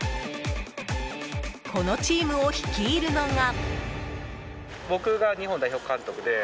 このチームを率いるのが。